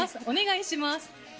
お願いします。